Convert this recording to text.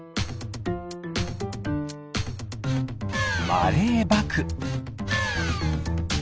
マレーバク。